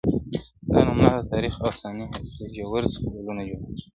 دا نومونه د تاريخ او انساني حافظې ژور سمبولونه جوړوي-